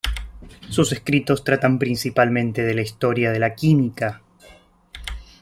Sus escritos tratan principalmente de la historia de la Química.